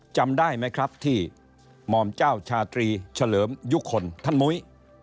จำได้ไหมครับที่หม่อมเจ้าชาตรีเฉลิมยุคคลท่านมุ้ย